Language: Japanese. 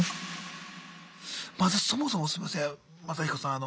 まずそもそもすいません